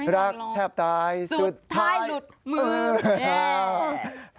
รักแทบตายสุดท้ายหลุดมือ